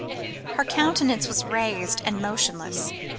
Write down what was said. jpg] Her countenance was raised and motionless.